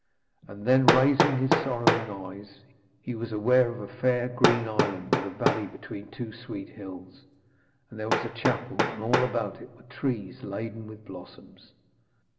Then, raising his sorrowing eyes, he was aware of a fair green island with a valley between two sweet hills, and there was a chapel, and all about it were trees all laden with blossoms.